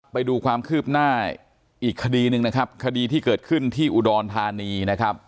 ไปดูความคืบหน้าอีกคดีหนึ่งนะครับคดีที่เกิดขึ้นที่อุดรธานีนะครับ